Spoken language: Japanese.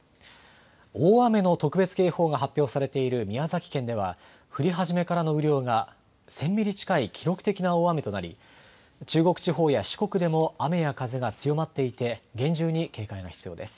大雨の特別警報が発表されている宮崎県では降り始めからの雨量が１０００ミリ近い記録的な大雨となり中国地方や四国でも雨や風が強まっていて厳重に警戒が必要です。